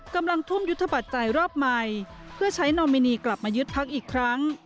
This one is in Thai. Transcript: กำลังทุ่มยุทธปัจจัยรอบใหม่เพื่อใช้นอมินีกลับมายึดพักอีกครั้ง